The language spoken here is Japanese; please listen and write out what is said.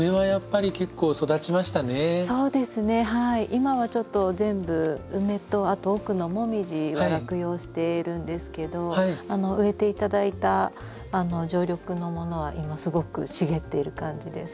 今はちょっと全部ウメと奥のモミジは落葉してるんですけど植えて頂いた常緑のものは今すごく茂っている感じです。